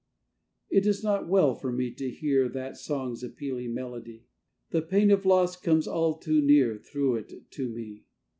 II It is not well for me to hear That song's appealing melody: The pain of loss comes all too near, Through it, to me.